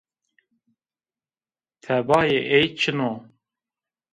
Tebayê ey çin o